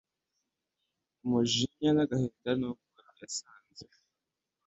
umujinya nagahinda nuko yasanze